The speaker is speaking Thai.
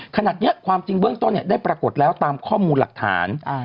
ขนาดนี้ความจริงเบื้องต้นได้ปรากฏแล้วตามข้อมูลหลักฐาน